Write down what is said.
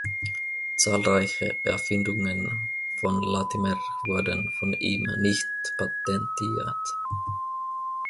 Zahlreiche Erfindungen von Latimer wurden von ihm nicht patentiert.